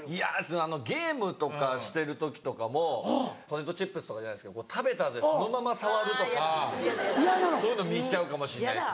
ゲームとかしてる時とかもポテトチップスとか食べた後でそのまま触るとかそういうの見ちゃうかもしれないですね。